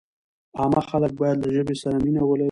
عامه خلک باید له ژبې سره مینه ولري.